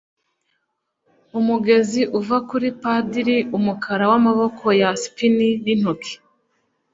umugezi uva kuri padiri umukara wamaboko ya spinney nintoki